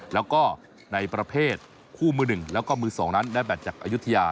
แล้วก็ในประเภทคู่มือหนึ่งแล้วก็มือ๒นั้นได้แบตจากอายุทยา